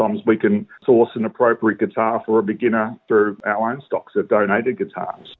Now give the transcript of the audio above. melalui stok kita yang telah mengundang gitar